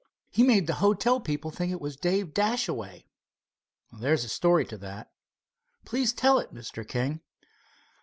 "He made the hotel people think it was Dave Dashaway." "There's a story to that." "Please tell it, Mr. King."